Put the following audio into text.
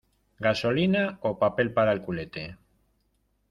gasolina o papel para el culete.